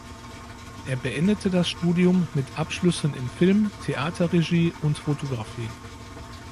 Er beendete das Studium mit Abschlüssen in Film, Theaterregie und Fotografie.